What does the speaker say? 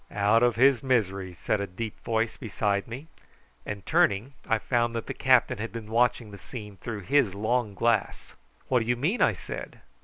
"Out of his misery," said a deep voice beside me; and turning I found that the captain had been watching the scene through his long glass. "What do you mean?" I said.